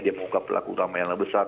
dia buka pelaku utama yang lebih besar